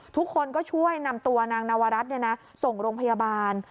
ทุกคนก็ช่วยนำตัวนางนวรัฐส่งโรงพยาบาล